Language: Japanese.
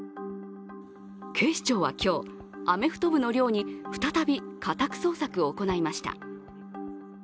警視庁は今日、アメフト部の寮に再び家宅捜索を行いました。